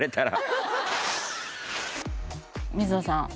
水野さん